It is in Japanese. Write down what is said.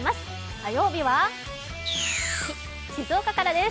火曜日は静岡からです。